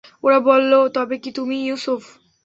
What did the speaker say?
ওরা বলল, তবে কি তুমিই ইউসুফ?